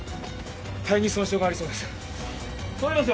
肺に損傷がありそうです通りますよ